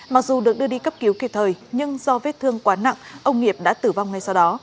mặc dù được đưa đi cấp cứu kịp thời nhưng do vết thương quá nặng ông nghiệp đã tử vong ngay sau đó